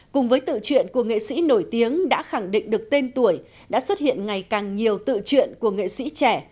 cùng với tự chuyện của nghệ sĩ nổi tiếng đã khẳng định được tên tuổi đã xuất hiện ngày càng nhiều tự chuyện của nghệ sĩ trẻ